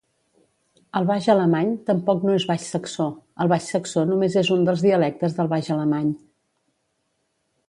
El baix-alemany tampoc no és baix-saxó: el baix-saxó només és un dels dialectes del baix-alemany.